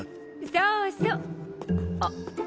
そうそうあっ。